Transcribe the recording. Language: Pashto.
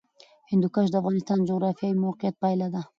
هندوکش د افغانستان د جغرافیایي موقیعت پایله ده.